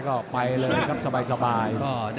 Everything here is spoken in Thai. ก็ไปเลยครับสบาย